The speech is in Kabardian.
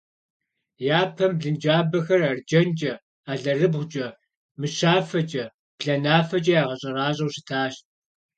Япэм блынджабэхэр арджэнкӏэ, алэрыбгъукӏэ, мыщафэкӏэ, бланафэкӏэ ягъэщӏэращӏэу щытащ.